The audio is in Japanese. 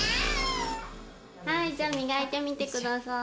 はいじゃあみがいてみてください。